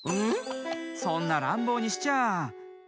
そんならんぼうにしちゃ。